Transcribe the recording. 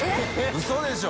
ウソでしょ。